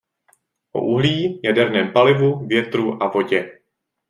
O uhlí, jaderném palivu, větru a vodě.